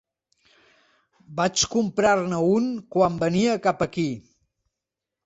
Vaig comprar-ne un quan venia cap aquí.